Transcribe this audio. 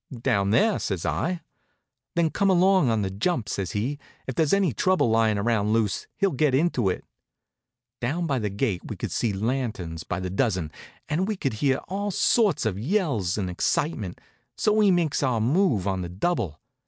"Down there," says I. "Then come along on the jump," says he. "If there's any trouble lying around loose he'll get into it." Down by the gate we could see lanterns by the dozen and we could hear all sorts of yells and excitement, so we makes our move on the double.